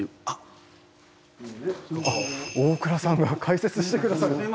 あっ大倉さんが解説してくださる。